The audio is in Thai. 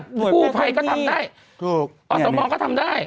ผู้ภัยก็ทำได้อสมองก็ทำได้